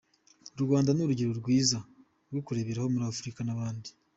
U Rwanda ni urugero rwiza rwo kureberaho muri Afurika n’abandi.